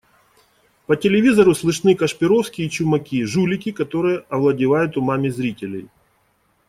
По телевизору слышны Кашпировские и Чумаки, жулики, которые овладевают умами зрителей.